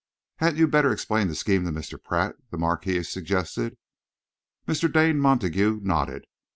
"Hadn't you better explain the scheme to Mr. Pratt?" the Marquis suggested. Mr. Dane Montague nodded.